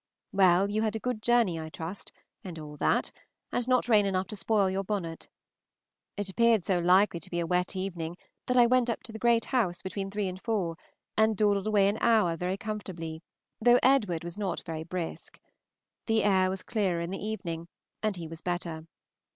Well, you had a good journey, I trust, and all that, and not rain enough to spoil your bonnet. It appeared so likely to be a wet evening that I went up to the Gt. House between three and four, and dawdled away an hour very comfortably, though Edwd. was not very brisk. The air was clearer in the evening, and he was better.